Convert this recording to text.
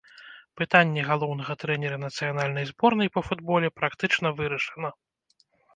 Пытанне галоўнага трэнера нацыянальнай зборнай па футболе практычна вырашана.